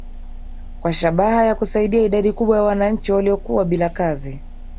kwa shabaha ya kusaidia idadi kubwa ya wananchi waliokuwa bila kazi